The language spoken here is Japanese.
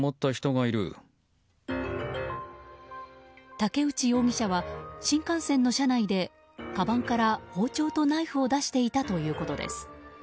竹内容疑者は、新幹線の車内でかばんから包丁とナイフを出していたということです。